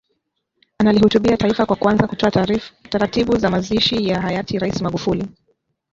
Analihutubia taifa kwa kuanza kutoa taratibu za mazishi ya hayati Rais Magufuli